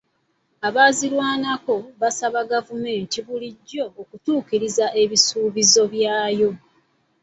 Abaazirwanako baasaba gavumenti bulijjo okutuukiriza ebisuubizo byayo.